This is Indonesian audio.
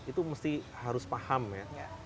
itu harus paham ya